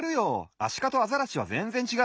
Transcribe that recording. アシカとアザラシはぜんぜんちがう。